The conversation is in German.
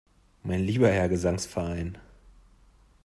Mein lieber Herr Gesangsverein!